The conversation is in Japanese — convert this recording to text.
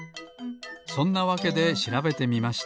そんなわけでしらべてみました。